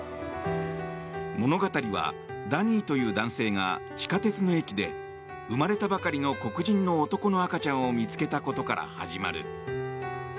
物語はダニーという男性が地下鉄の駅で生まれたばかりの黒人の男の赤ちゃんを見つけたことから始まる。